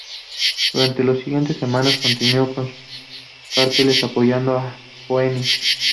Durante las siguientes semanas, continuo con sus carteles apoyando a Phoenix.